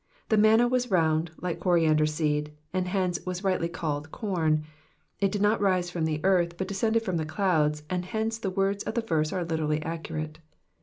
The manna was round, like coriander seed, and hence was rightly called corn ; it did not rise from the earth, but descended from the clouds, and hence the words of the verse are literally accurate.